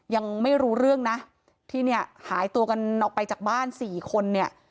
ยังไม่รู้เรื่องนะที่เนี่ยหายตัวกันออกไปจากบ้านสี่คนเนี่ย